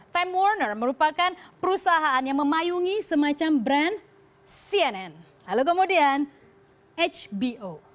time warner merupakan perusahaan yang memayungi semacam brand cnn lalu kemudian hbo